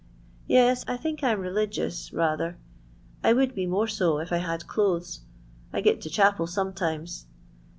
Tes, I think I 'm religious, rather. I would be more so, if I had clothes. I get to chapel sometimes."